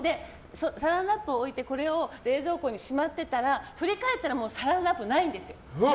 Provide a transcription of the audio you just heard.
サランラップを置いてこれを冷蔵庫にしまってたら振り返ったらもうサランラップはないんですよ。